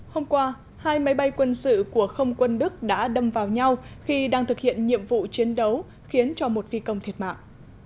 hôm qua hai máy bay quân sự của không quân đức đã đâm vào nhau khi đang thực hiện nhiệm vụ chiến đấu khiến cho một phi công thiệt mạng